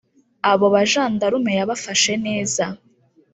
Abo bajandarume yabafashe neza